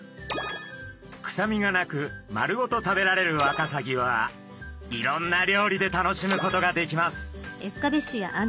臭みがなく丸ごと食べられるワカサギはいろんな料理で楽しむことができます。